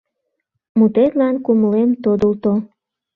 Мутетлан кумылем тодылто...